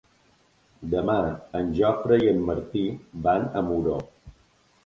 Demà en Jofre i en Martí van a Muro.